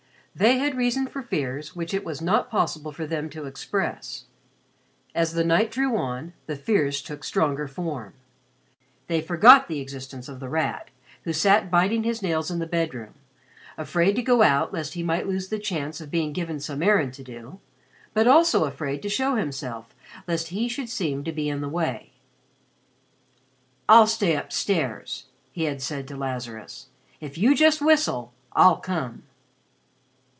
They had reason for fears which it was not possible for them to express. As the night drew on, the fears took stronger form. They forgot the existence of The Rat, who sat biting his nails in the bedroom, afraid to go out lest he might lose the chance of being given some errand to do but also afraid to show himself lest he should seem in the way. "I'll stay upstairs," he had said to Lazarus. "If you just whistle, I'll come."